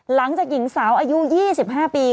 หลังจากหญิงสาวอายุ๒๕ปี